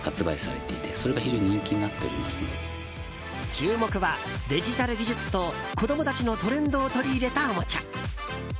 注目はデジタル技術と子供たちのトレンドを取り入れたおもちゃ。